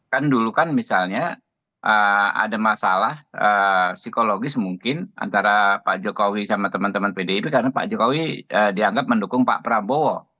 kan dulu kan misalnya ada masalah psikologis mungkin antara pak jokowi sama teman teman pdip karena pak jokowi dianggap mendukung pak prabowo